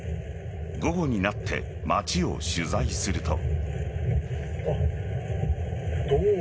午後になって街を取材すると。